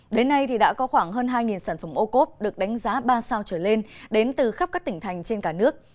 đến nay đã có khoảng hơn hai sản phẩm ô cốp được đánh giá ba sao trở lên đến từ khắp các tỉnh thành trên cả nước